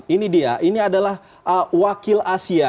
ini dia ini adalah wakil asia